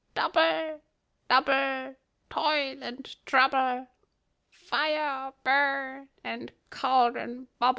Double, double, toil and trouble; Fire, burn; and cauldron, bubble.